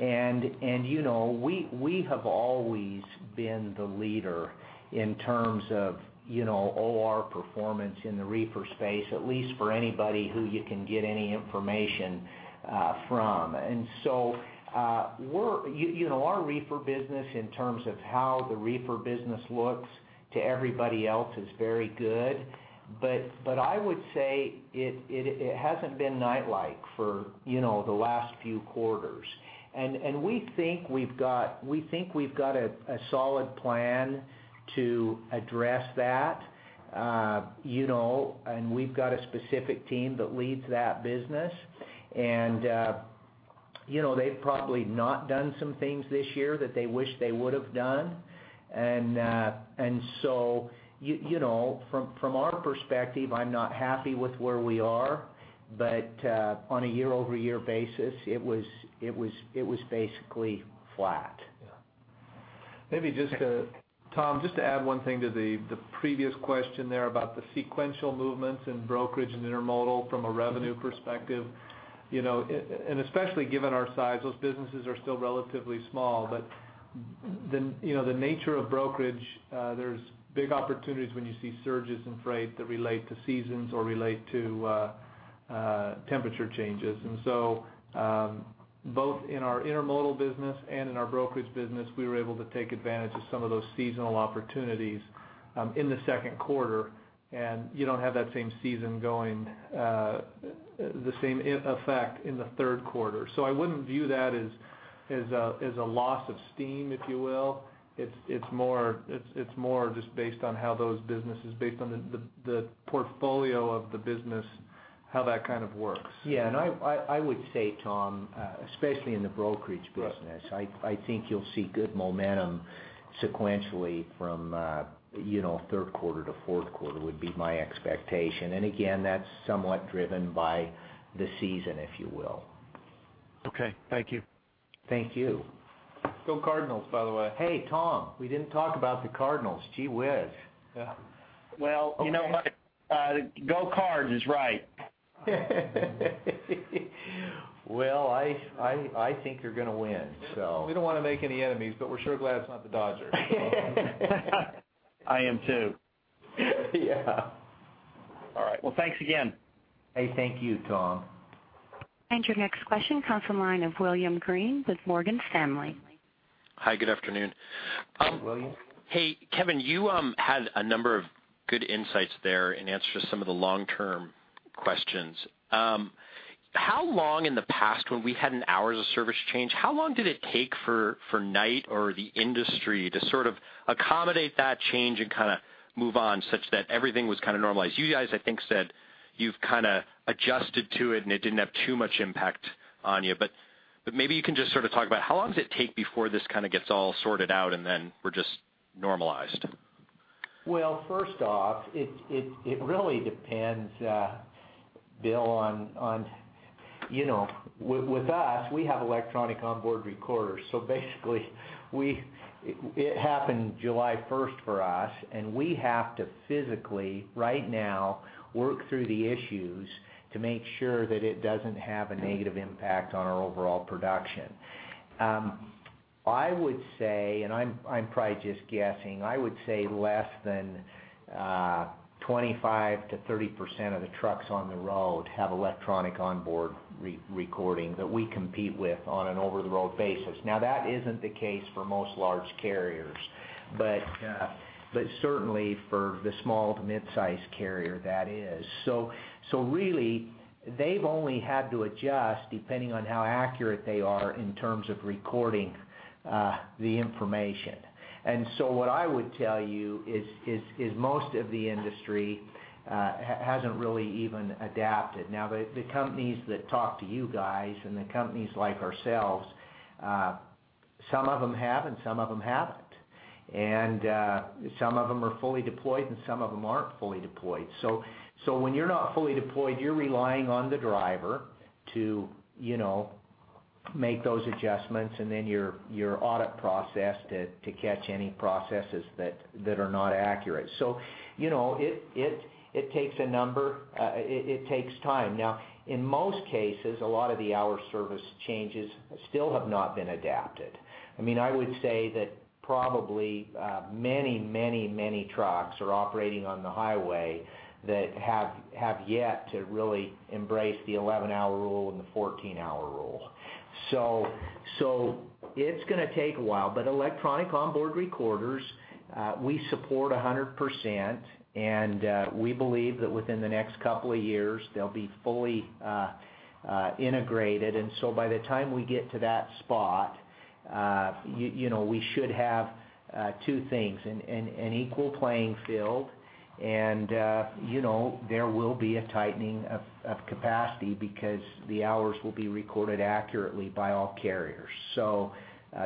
And you know, we have always been the leader in terms of you know, OR performance in the reefer space, at least for anybody who you can get any information from. And so, we're, you know, our reefer business, in terms of how the reefer business looks to everybody else, is very good. But I would say it hasn't been Knight-like for you know, the last few quarters. And we think we've got a solid plan to address that. You know, and we've got a specific team that leads that business. And you know, they've probably not done some things this year that they wish they would've done. And so you know, from our perspective, I'm not happy with where we are, but on a year-over-year basis, it was basically flat. Yeah. Maybe just to Thom, just to add one thing to the previous question there about the sequential movements in brokerage and intermodal from a revenue perspective. You know, and especially given our size, those businesses are still relatively small. But you know, the nature of brokerage, there's big opportunities when you see surges in freight that relate to seasons or relate to temperature changes. And so, both in our intermodal business and in our brokerage business, we were able to take advantage of some of those seasonal opportunities in the second quarter, and you don't have that same season going the same effect in the third quarter. So I wouldn't view that as a loss of steam, if you will. It's more just based on how those businesses, based on the portfolio of the business, how that kind of works. Yeah, and I would say, Thom, especially in the brokerage business- Right... I think you'll see good momentum sequentially from, you know, third quarter to fourth quarter, would be my expectation. And again, that's somewhat driven by the season, if you will.... Okay. Thank you. Thank you. Go Cardinals, by the way. Hey, Tom, we didn't talk about the Cardinals. Gee, whiz! Yeah. Well, you know what? Go Cards is right. Well, I think you're gonna win, so. We don't wanna make any enemies, but we're sure glad it's not the Dodgers. I am, too. Yeah. All right. Well, thanks again. Hey, thank you, Thom. Your next question comes from the line of William Greene with Morgan Stanley. Hi, good afternoon. William. Hey, Kevin, you had a number of good insights there in answer to some of the long-term questions. How long in the past, when we had an Hours of Service change, how long did it take for Knight or the industry to sort of accommodate that change and kinda move on such that everything was kinda normalized? You guys, I think, said you've kinda adjusted to it, and it didn't have too much impact on you. But maybe you can just sort of talk about how long does it take before this kinda gets all sorted out, and then we're just normalized? Well, first off, it really depends, Will, on you know with us, we have electronic onboard recorders. So basically, it happened July first for us, and we have to physically, right now, work through the issues to make sure that it doesn't have a negative impact on our overall production. I would say, and I'm probably just guessing, I would say less than 25%-30% of the trucks on the road have electronic onboard recording that we compete with on an over-the-road basis. Now, that isn't the case for most large carriers, but certainly for the small to mid-size carrier, that is. So really, they've only had to adjust depending on how accurate they are in terms of recording the information. And so what I would tell you is most of the industry hasn't really even adapted. Now, the companies that talk to you guys and the companies like ourselves, some of them have, and some of them haven't. And some of them are fully deployed, and some of them aren't fully deployed. So when you're not fully deployed, you're relying on the driver to, you know, make those adjustments and then your audit process to catch any processes that are not accurate. So, you know, it takes time. Now, in most cases, a lot of the Hours of Service changes still have not been adapted. I mean, I would say that probably many, many, many trucks are operating on the highway that have yet to really embrace the 11-hour rule and the 14-hour rule. So it's gonna take a while, but electronic onboard recorders we support 100%, and we believe that within the next couple of years, they'll be fully integrated. And so by the time we get to that spot, you know, we should have two things: an equal playing field, and you know, there will be a tightening of capacity because the hours will be recorded accurately by all carriers. So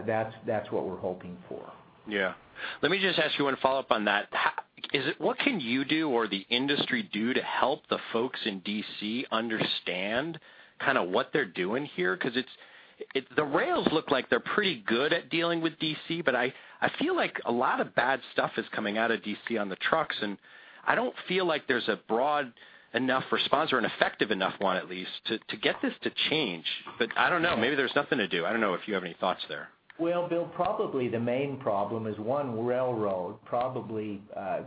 that's what we're hoping for. Yeah. Let me just ask you one follow-up on that. What can you do or the industry do to help the folks in D.C. understand kinda what they're doing here? 'Cause it's, the rails look like they're pretty good at dealing with D.C., but I feel like a lot of bad stuff is coming out of D.C. on the trucks, and I don't feel like there's a broad enough response or an effective enough one, at least, to get this to change. But I don't know, maybe there's nothing to do. I don't know if you have any thoughts there. Well, Will, probably the main problem is one railroad probably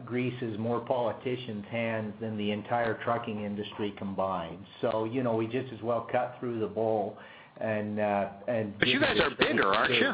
greases more politicians' hands than the entire trucking industry combined. So, you know, we just as well cut through the bull and But you guys are bigger, aren't you?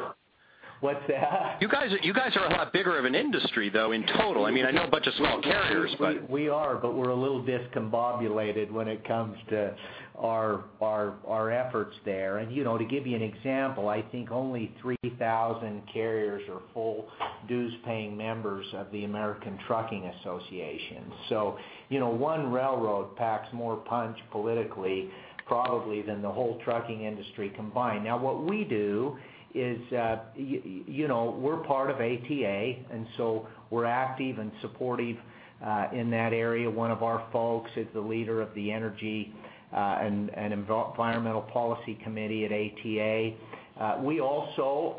What's that? You guys are, you guys are a lot bigger of an industry, though, in total. I mean, I know a bunch of small carriers, but- We are, but we're a little discombobulated when it comes to our efforts there. You know, to give you an example, I think only 3,000 carriers are full dues-paying members of the American Trucking Associations. So, you know, one railroad packs more punch politically, probably than the whole trucking industry combined. Now, what we do is, you know, we're part of ATA, and so we're active and supportive in that area. One of our folks is the leader of the Energy and Environmental Policy Committee at ATA. We also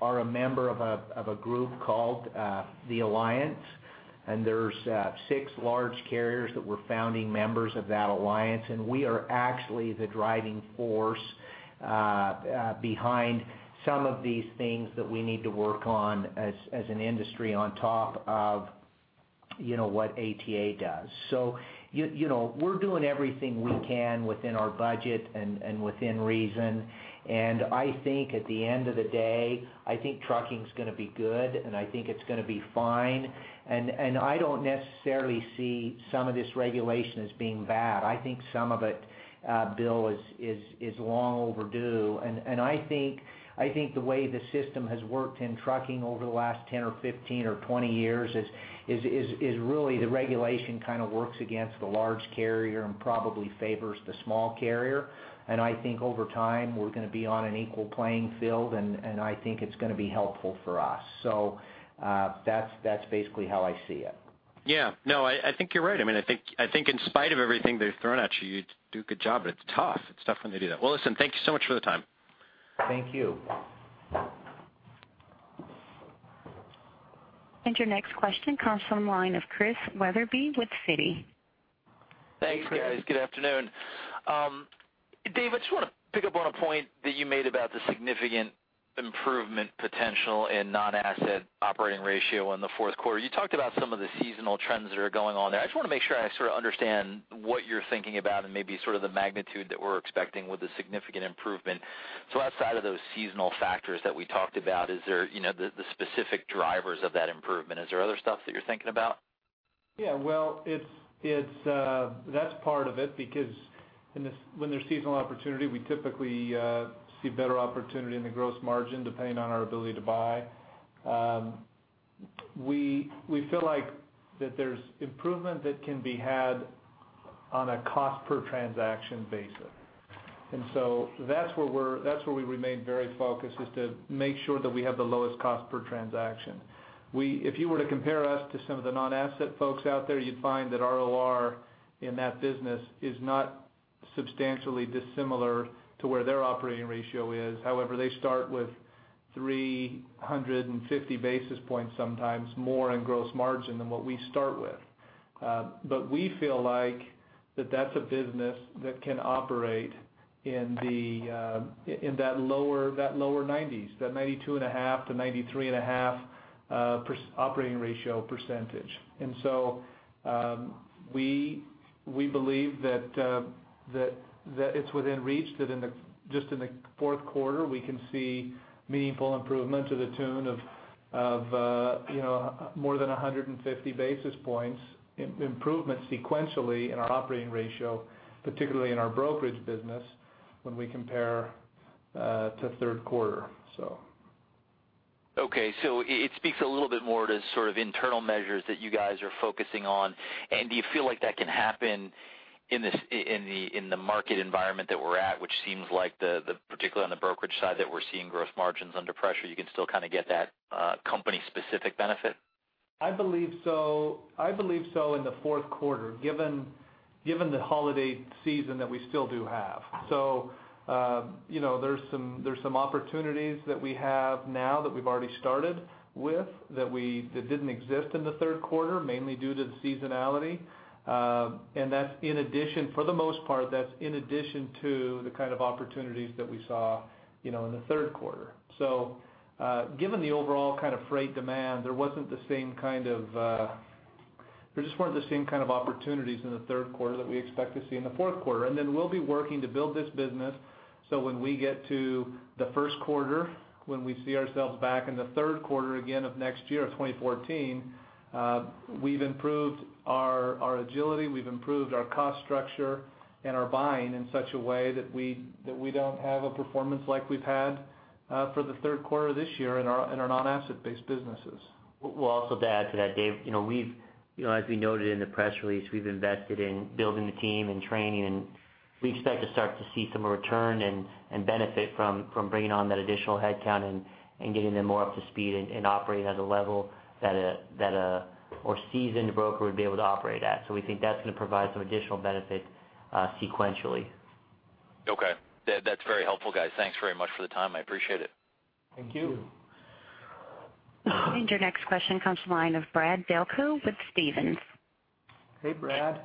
are a member of a group called The Alliance, and there's six large carriers that we're founding members of that alliance, and we are actually the driving force behind some of these things that we need to work on as an industry on top of, you know, what ATA does. So you know, we're doing everything we can within our budget and within reason, and I think at the end of the day, I think trucking is gonna be good, and I think it's gonna be fine. And I don't necessarily see some of this regulation as being bad. I think some of it, Will, is long overdue. And I think the way the system has worked in trucking over the last 10 or 15 or 20 years is really the regulation kind of works against the large carrier and probably favors the small carrier. And I think over time, we're gonna be on an equal playing field, and I think it's gonna be helpful for us. So, that's basically how I see it. Yeah. No, I think you're right. I mean, I think in spite of everything they've thrown at you, you do a good job, but it's tough. It's tough when they do that. Well, listen, thank you so much for the time. Thank you. Your next question comes from the line of Chris Wetherbee with Citi. Thanks, guys. Good afternoon. Dave, I just want to pick up on a point that you made about the significant improvement potential in non-asset operating ratio in the fourth quarter. You talked about some of the seasonal trends that are going on there. I just want to make sure I sort of understand what you're thinking about and maybe sort of the magnitude that we're expecting with a significant improvement. So outside of those seasonal factors that we talked about, is there, you know, the, the specific drivers of that improvement? Is there other stuff that you're thinking about? Yeah, well, that's part of it, because in the—when there's seasonal opportunity, we typically see better opportunity in the gross margin, depending on our ability to buy. We feel like that there's improvement that can be had on a cost per transaction basis. And so that's where we remain very focused, is to make sure that we have the lowest cost per transaction. We—if you were to compare us to some of the non-asset folks out there, you'd find that our OR in that business is not substantially dissimilar to where their operating ratio is. However, they start with 350 basis points, sometimes more in gross margin than what we start with. But we feel like that's a business that can operate in that lower, that lower nineties, that 92.5%-93.5% operating ratio. And so, we believe that, that it's within reach, that just in the fourth quarter, we can see meaningful improvement to the tune of, you know, more than 150 basis points improvement sequentially in our operating ratio, particularly in our brokerage business, when we compare to third quarter, so. Okay, so it speaks a little bit more to sort of internal measures that you guys are focusing on. Do you feel like that can happen in the market environment that we're at, which seems like, particularly on the brokerage side, that we're seeing gross margins under pressure, you can still kind of get that company-specific benefit? I believe so. I believe so in the fourth quarter, given the holiday season that we still do have. So, you know, there's some opportunities that we have now that we've already started with, that didn't exist in the third quarter, mainly due to the seasonality. And that's in addition, for the most part, that's in addition to the kind of opportunities that we saw, you know, in the third quarter. So, given the overall kind of freight demand, there wasn't the same kind of, there just weren't the same kind of opportunities in the third quarter that we expect to see in the fourth quarter. Then we'll be working to build this business, so when we get to the first quarter, when we see ourselves back in the third quarter again of next year, of 2014, we've improved our agility, we've improved our cost structure and our buying in such a way that we don't have a performance like we've had for the third quarter this year in our non-asset-based businesses. Well, also to add to that, Dave, you know, we've, you know, as we noted in the press release, we've invested in building the team and training, and we expect to start to see some return and benefit from bringing on that additional headcount and getting them more up to speed and operating at a level that a more seasoned broker would be able to operate at. So we think that's going to provide some additional benefit sequentially. Okay. That, that's very helpful, guys. Thanks very much for the time. I appreciate it. Thank you. Your next question comes from the line of Brad Delco with Stephens. Hey, Brad.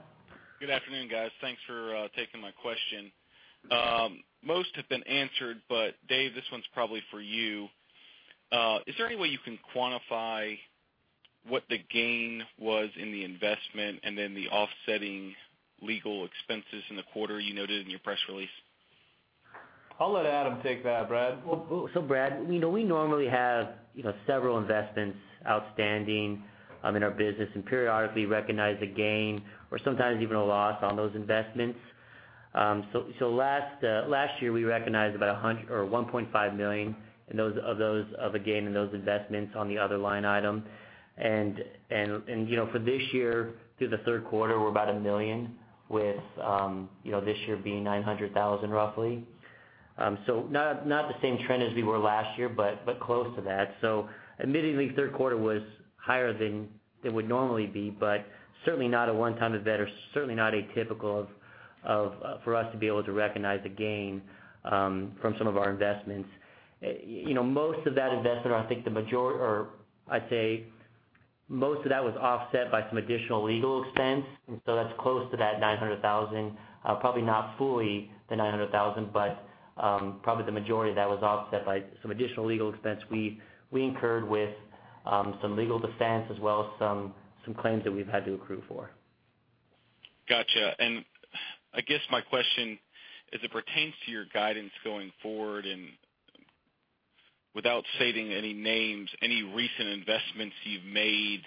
Good afternoon, guys. Thanks for taking my question. Most have been answered, but Dave, this one's probably for you. Is there any way you can quantify what the gain was in the investment and then the offsetting legal expenses in the quarter you noted in your press release? I'll let Adam take that, Brad. Well, so Brad, we know we normally have, you know, several investments outstanding in our business, and periodically recognize a gain or sometimes even a loss on those investments. So last year, we recognized about $1.5 million, and those of a gain in those investments on the other line item. And, you know, for this year, through the third quarter, we're about $1 million with, you know, this year being $900,000, roughly. So not the same trend as we were last year, but close to that. So admittedly, third quarter was higher than it would normally be, but certainly not a one-time event or certainly not atypical of, for us to be able to recognize a gain from some of our investments. You know, most of that investment, I think the major- or I'd say most of that was offset by some additional legal expense. And so that's close to that $900,000, probably not fully the $900,000, but probably the majority of that was offset by some additional legal expense we incurred with some legal defense as well as some claims that we've had to accrue for. Gotcha. I guess my question as it pertains to your guidance going forward, and without stating any names, any recent investments you've made,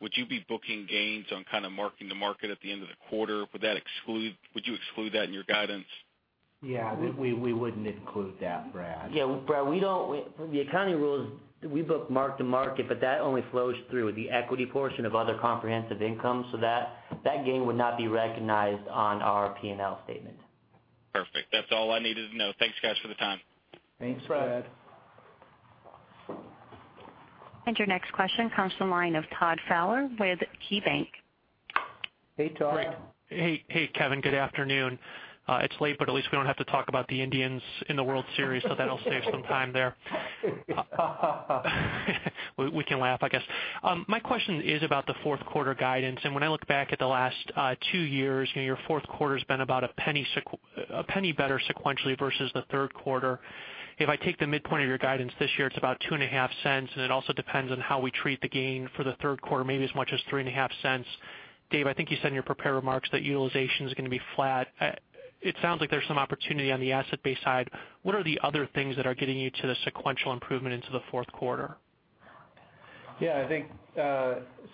would you be booking gains on kind of marking the market at the end of the quarter? Would that exclude—would you exclude that in your guidance? Yeah, we wouldn't include that, Brad. Yeah, Brad, we don't. The accounting rules, we mark to market, but that only flows through the equity portion of other comprehensive income, so that gain would not be recognized on our P&L statement. Perfect. That's all I needed to know. Thanks, guys, for the time. Thanks, Brad. Your next question comes from the line of Todd Fowler with KeyBanc. Hey, Todd. Hey, hey, Kevin, good afternoon. It's late, but at least we don't have to talk about the Indians in the World Series, so that'll save some time there. We can laugh, I guess. My question is about the fourth quarter guidance, and when I look back at the last two years, you know, your fourth quarter's been about $0.01 better sequentially versus the third quarter. If I take the midpoint of your guidance this year, it's about $0.025, and it also depends on how we treat the gain for the third quarter, maybe as much as $0.035. Dave, I think you said in your prepared remarks that utilization is gonna be flat. It sounds like there's some opportunity on the asset-based side. What are the other things that are getting you to the sequential improvement into the fourth quarter? Yeah, I think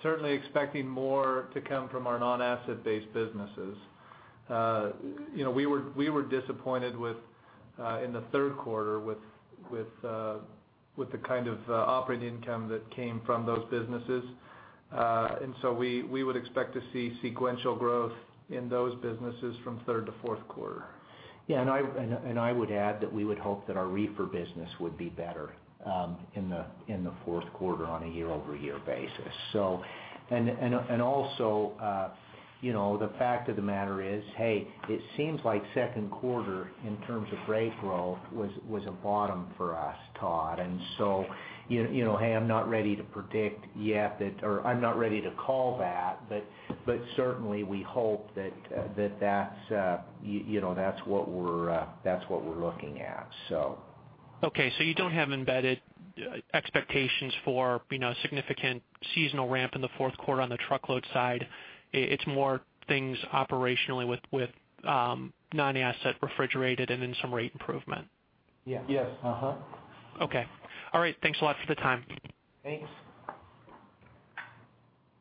certainly expecting more to come from our non-asset-based businesses. You know, we were disappointed with in the third quarter with the kind of operating income that came from those businesses. And so we would expect to see sequential growth in those businesses from third to fourth quarter. Yeah, and I would add that we would hope that our reefer business would be better in the fourth quarter on a year-over-year basis. So. And also, you know, the fact of the matter is, hey, it seems like second quarter, in terms of rate growth, was a bottom for us, Todd. And so, you know, hey, I'm not ready to predict yet that. Or I'm not ready to call that, but certainly, we hope that that's what we're looking at, so. Okay, so you don't have embedded expectations for, you know, significant seasonal ramp in the fourth quarter on the truckload side? It's more things operationally with, with, non-asset refrigerated and then some rate improvement. Yes. Yes. Uh-huh. Okay. All right. Thanks a lot for the time. Thanks.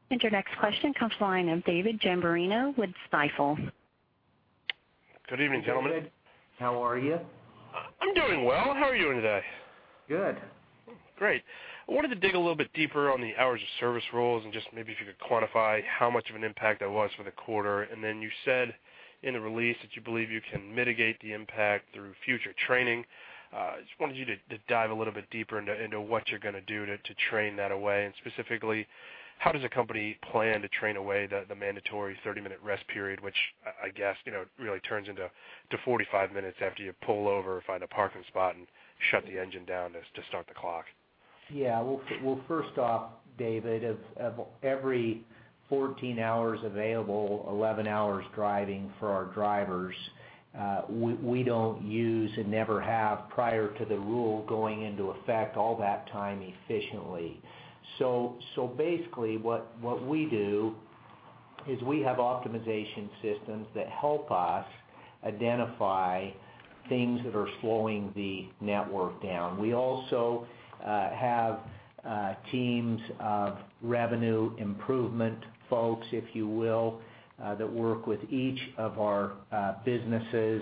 Your next question comes from the line of David Ross with Stifel. Good evening, gentlemen. How are you? I'm doing well. How are you doing today? Good. Great! I wanted to dig a little bit deeper on the Hours of Service rules, and just maybe if you could quantify how much of an impact that was for the quarter. And then you said in the release that you believe you can mitigate the impact through future training. Just wanted you to dive a little bit deeper into what you're gonna do to train that away. And specifically, how does a company plan to train away the mandatory 30-minute rest period, which I guess, you know, really turns into 45 minutes after you pull over, find a parking spot, and shut the engine down to start the clock? Yeah. Well, first off, David, of every 14 hours available, 11 hours driving for our drivers, we don't use, and never have, prior to the rule going into effect, all that time efficiently. So, basically, what we do is we have optimization systems that help us identify things that are slowing the network down. We also have teams of revenue improvement folks, if you will, that work with each of our businesses,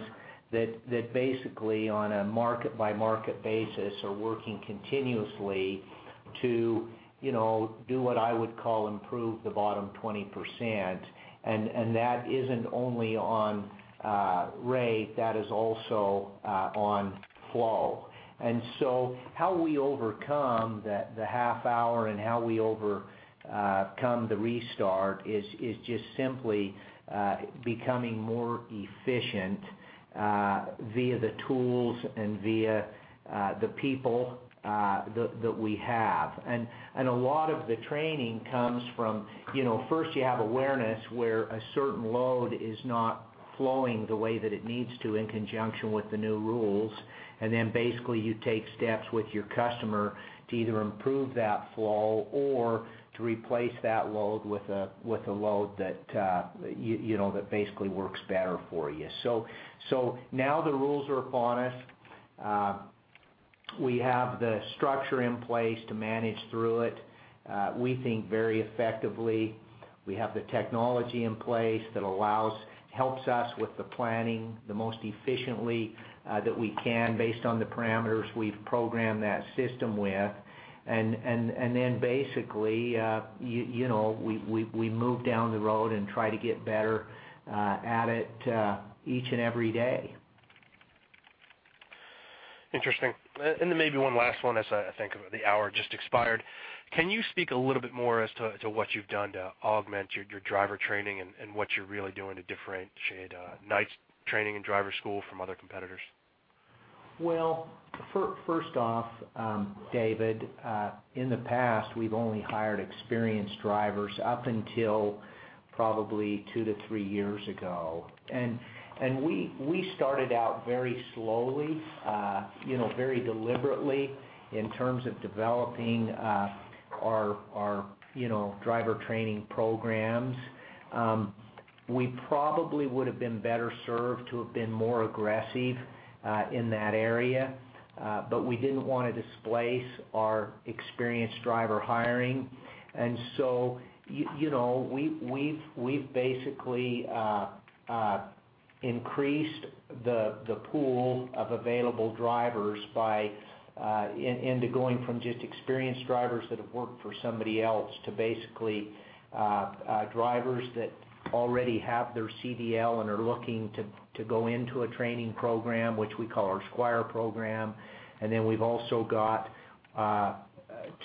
that basically, on a market-by-market basis, are working continuously to, you know, do what I would call improve the bottom 20%. And that isn't only on rate, that is also on flow. And so how we overcome the half hour and how we overcome the restart is just simply becoming more efficient via the tools and via the people that we have. And a lot of the training comes from, you know, first you have awareness, where a certain load is not flowing the way that it needs to in conjunction with the new rules. And then, basically, you take steps with your customer to either improve that flow or to replace that load with a load that you know that basically works better for you. So now the rules are upon us. We have the structure in place to manage through it, we think very effectively. We have the technology in place that allows, helps us with the planning, the most efficiently, that we can, based on the parameters we've programmed that system with. And then, basically, you know, we move down the road and try to get better, at it, each and every day. Interesting. And then maybe one last one, as I think the hour just expired. Can you speak a little bit more as to what you've done to augment your driver training and what you're really doing to differentiate Knight's training and driver school from other competitors? Well, first off, David, in the past, we've only hired experienced drivers up until probably two to three years ago. And we started out very slowly, you know, very deliberately in terms of developing our driver training programs. We probably would've been better served to have been more aggressive in that area, but we didn't want to displace our experienced driver hiring. And so, you know, we've basically increased the pool of available drivers by going from just experienced drivers that have worked for somebody else, to basically drivers that already have their CDL and are looking to go into a training program, which we call our Squire program. And then we've also got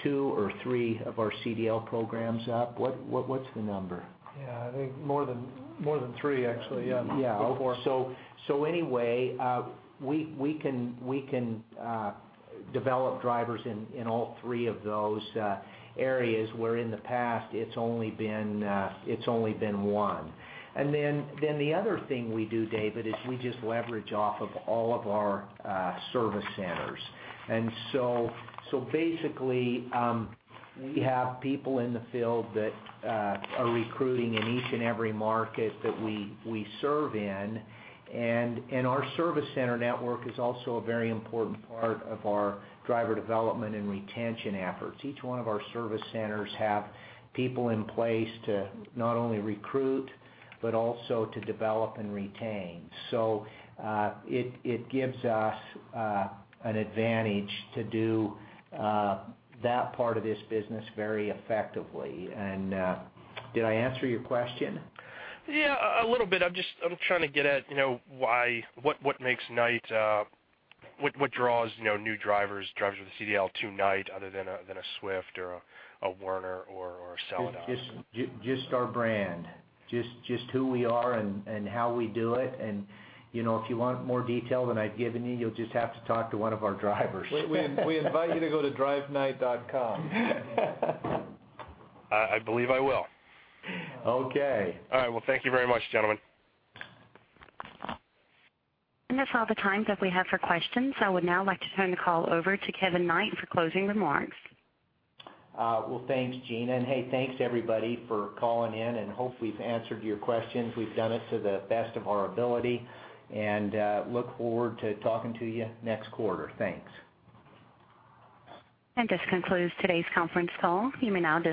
two or three of our CDL programs up. What's the number? Yeah, I think more than, more than three, actually. Yeah. Yeah. Four. So, anyway, we can develop drivers in all three of those areas, where in the past it's only been one. And then the other thing we do, David, is we just leverage off of all of our service centers. And so basically, we have people in the field that are recruiting in each and every market that we serve in. And our service center network is also a very important part of our driver development and retention efforts. Each one of our service centers have people in place to not only recruit, but also to develop and retain. So, it gives us an advantage to do that part of this business very effectively. And did I answer your question? Yeah, a little bit. I'm just trying to get at, you know, why—what makes Knight, what draws, you know, new drivers, drivers with a CDL to Knight other than a Swift or a Werner or a Celadon? Just our brand, just who we are and how we do it. And, you know, if you want more detail than I've given you, you'll just have to talk to one of our drivers. We invite you to go to driveknight.com. I believe I will. Okay. All right. Well, thank you very much, gentlemen. That's all the time that we have for questions. I would now like to turn the call over to Kevin Knight for closing remarks. Well, thanks, Gina, and hey, thanks, everybody, for calling in, and hope we've answered your questions. We've done it to the best of our ability, and look forward to talking to you next quarter. Thanks. This concludes today's conference call. You may now disconnect.